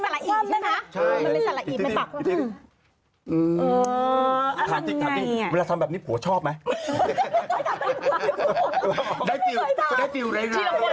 เดี๋ยวเนี่ยนะตัวร้ายอยู่ตรงนี้คือ